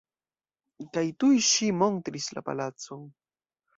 Kaj tuj ŝi montris la palacon.